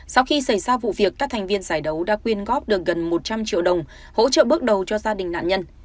sau khi xảy ra vụ việc các thành viên giải đấu đã quyên góp được gần một trăm linh triệu đồng hỗ trợ bước đầu cho gia đình nạn nhân